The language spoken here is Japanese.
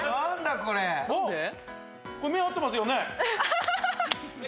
これ目、合ってますよね。